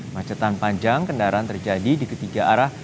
macetan panjang kendaraan terjadi di ketiga arah